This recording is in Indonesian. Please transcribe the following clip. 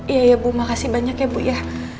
iya ya bu makasih banyak ya bu ya